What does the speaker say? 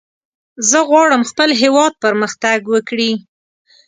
زه غواړم خپل هېواد پرمختګ وکړي.